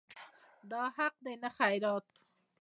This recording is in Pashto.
دا حق دی نه خیرات.